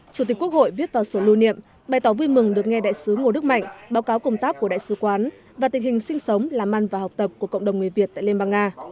chủ tịch quốc hội viết vào sổ lưu niệm bày tỏ vui mừng được nghe đại sứ ngô đức mạnh báo cáo công tác của đại sứ quán và tình hình sinh sống làm ăn và học tập của cộng đồng người việt tại liên bang nga